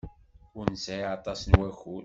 Ur nesɛi aṭas n wakud.